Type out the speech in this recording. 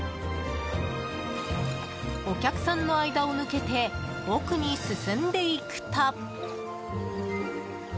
お客さんの間を抜けて奥に進んでいくと。